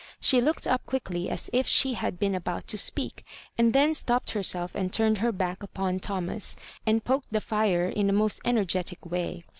She looked up quiddy as if she had been about to speak, and then stopped herself and turned her back upon Thomas, and poked the fire in a most energetic way.